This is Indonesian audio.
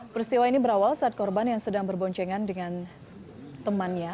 peristiwa ini berawal saat korban yang sedang berboncengan dengan temannya